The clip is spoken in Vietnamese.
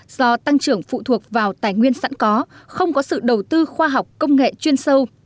do tăng trưởng phụ thuộc vào tài nguyên sẵn có không có sự đầu tư khoa học công nghệ chuyên sâu